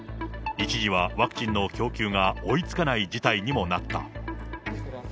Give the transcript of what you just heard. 一時はワクチンの供給が追いつかない事態にもなった。